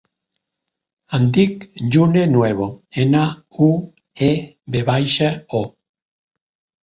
Em dic June Nuevo: ena, u, e, ve baixa, o.